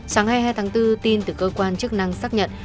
sáng hai mươi hai tháng bốn tin từ cơ quan chức năng xác nhận